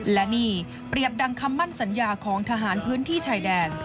และนี่เปรียบดังคำมั่นสัญญาของทหารพื้นที่ชายแดน